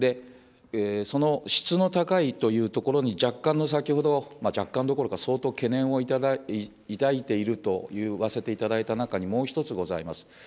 その質の高いというところに、若干の、先ほど、若干どころか、相当懸念を抱いていると言わせていただいた中に、もう１つございます。